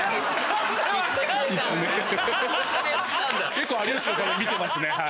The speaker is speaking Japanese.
結構『有吉の壁』見てますね。